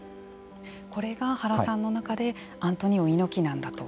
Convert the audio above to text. これが原さんの中でアントニオ猪木なんだと。